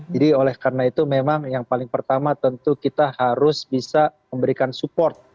jadi oleh karena itu memang yang paling pertama tentu kita harus bisa memberikan support